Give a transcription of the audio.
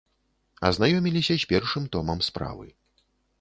Азнаёміліся з першым томам справы.